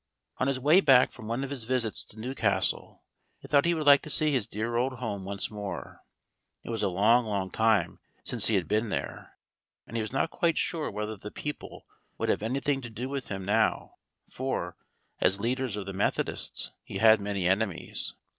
On his way back from one of his visits to Newcastle he thought he would like to see his dear old home once more. It was a long, long time since he had been there, and he was not quite sure whether the people would have anything to do with him now, for, as leader of the Methodists, he had many enemies.